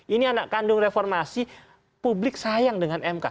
ini anak kandung reformasi publik sayang dengan mk